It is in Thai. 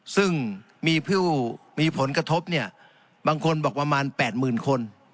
ซึ่งมีผู้มีผลกระทบเนี่ยบางคนบอกประมาณ๘๐๐๐คน